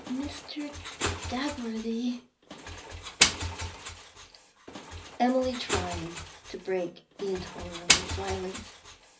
'Mr. Dagworthy ' Emily tried to break the intolerable silence.